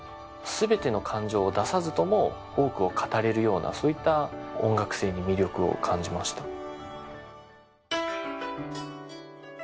全ての感情を出さずとも多くを語れるようなそういった音楽性に魅力を感じました。